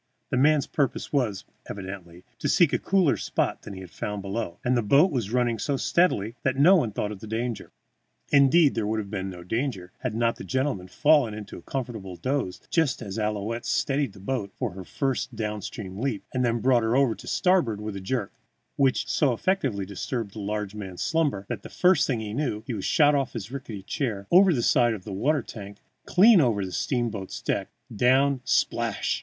The man's purpose was, evidently, to seek a cooler spot than he had found below, and the boat was running so steadily that no one thought of danger. Indeed, there would have been no danger had not the gentleman fallen into a comfortable doze just as Ouillette steadied the boat for her first downward leap and then brought her over to starboard with a jerk, which jerk so effectually disturbed the large man's slumbers that the first thing he knew he was shot off his rickety chair, over the side of the water tank, clean over the steamboat's decks, down, splash!